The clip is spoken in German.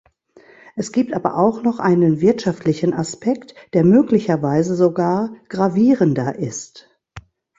Es gibt aber auch noch einen wirtschaftlichen Aspekt, der möglicherweise sogar gravierender ist.